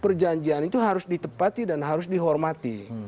perjanjian itu harus ditepati dan harus dihormati